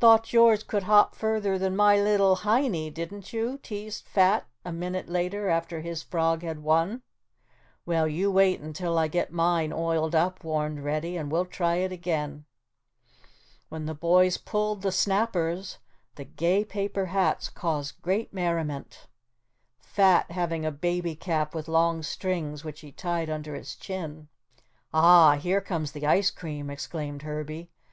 "Thought yours could hop further than my little Heinie, didn't you?" teased Fat a minute later after his frog had won. "Well, you wait until I get mine oiled up," warned Reddy, "and we'll try it again." When the boys pulled the snappers, the gay paper hats caused great merriment, Fat having a baby cap with long strings which he tied under his chin. "Ah, here comes the ice cream!" exclaimed Herbie.